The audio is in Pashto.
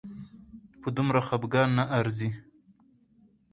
په دومره خپګان نه ارزي